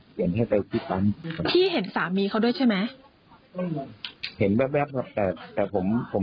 เขารถอะไรอะพี่สามีการรถอีกรถกันไหมคะ